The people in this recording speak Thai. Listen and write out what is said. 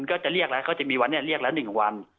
ก็จะเรียกแล้วเขาจะมีวันนี้เรียกแล้ว๑วัน